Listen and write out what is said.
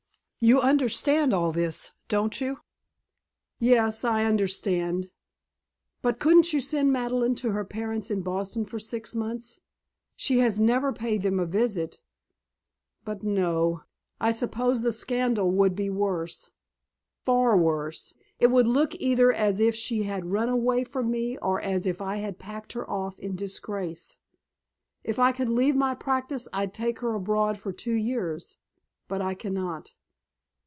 You understand all this, don't you?" "Yes, I understand. But couldn't you send Madeleine to her parents in Boston for six months she has never paid them a visit but no, I suppose the scandal would be worse " "Far worse. It would look either as if she had run away from me or as if I had packed her off in disgrace. If I could leave my practice I'd take her abroad for two years, but I cannot.